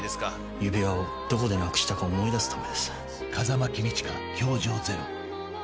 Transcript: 指輪をどこでなくしたか思い出すためです。